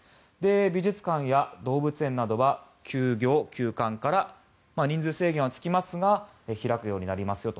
美術館は動物園などは休業・休館から人数制限はつきますが開くようになりますよと。